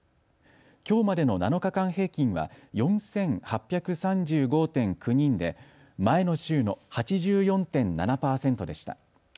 きょうまでの７日間平均は４８３５．９人で前の週の８４．７％でした。